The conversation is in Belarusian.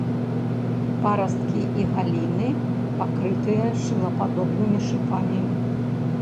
Парасткі і галіны пакрытыя шылападобнымі шыпамі.